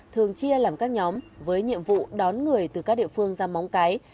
thường chia làm các nhóm với nhiệm vụ đón người từ các địa phương ra móng cái